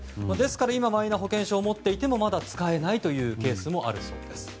今、マイナ保険証を持っていてもまだ使えないというケースもあるそうです。